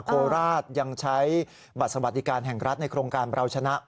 โคราชยังใช้บัตรสวัสดิการแห่งรัฐในโครงการเราชนะ